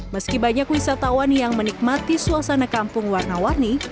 meski banyak wisatawan yang menikmati suasana kampung warna warni